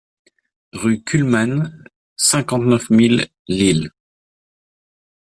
Rue Kuhlmann, cinquante-neuf mille Lille